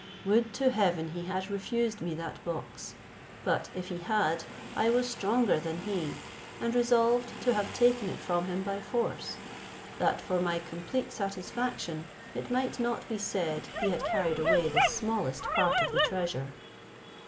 Would to heaven he had refused me that box; but if he had, I was stronger than he, and resolved to have taken it from him by force; that for my complete satisfaction it might not be said he had carried away the smallest part of the treasure.